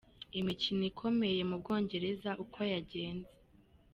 Imikino ikomeye mu Bwongereza uko yagenze.